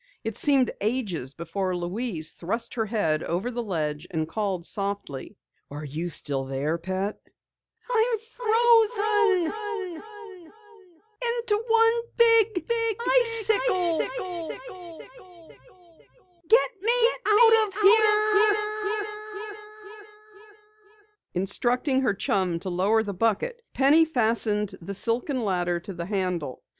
It seemed ages before Louise thrust her head over the ledge and called softly: "Are you still there, pet?" "I'm frozen into one big icicle!" Penny retorted. "Get me out of here." Instructing her chum to lower the bucket, Penny fastened the silken ladder to the handle.